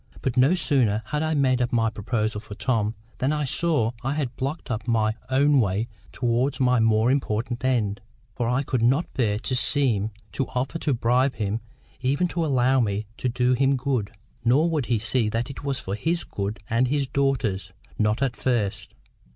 But no sooner had I made up my proposal for Tom than I saw I had blocked up my own way towards my more important end. For I could not bear to seem to offer to bribe him even to allow me to do him good. Nor would he see that it was for his good and his daughter's—not at first.